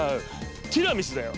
ティラミスだよ。